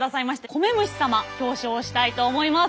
米虫様表彰したいと思います。